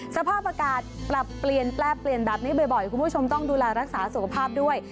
สภาพอากาศปรับเปลี่ยนแปลเปลี่ยนแบบนี้บ่อยคุณผู้ชมต้องดูแลรักษาสุขภาพด้วย